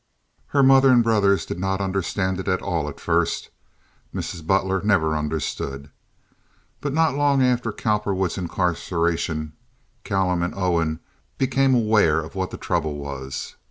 Her mother and brothers did not understand it at all at first. (Mrs. Butler never understood.) But not long after Cowperwood's incarceration Callum and Owen became aware of what the trouble was.